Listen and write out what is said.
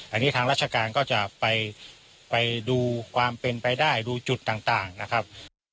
อันนี้ทางราชการก็จะไปดูความเป็นไปได้ดูจุดต่างนะครับ